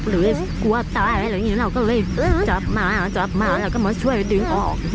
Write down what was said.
เลยกลัวตายอะไรอย่างนี้เราก็เลยจับมาจับมาแล้วก็มาช่วยดึงออก